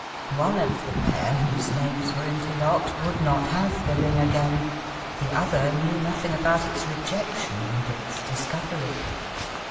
One of the pair whose names were interlocked would not have the ring again ; the other knew nothing about its rejection and its dis covery.